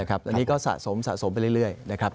อันนี้ก็สะสมสะสมไปเรื่อยนะครับ